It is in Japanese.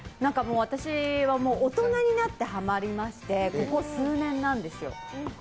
私は大人になってハマりまして、ここ数年なんですよ。